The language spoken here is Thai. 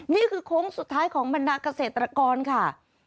นี่คือโค้งสุดท้ายของบรรณากเศรษฐกรคราว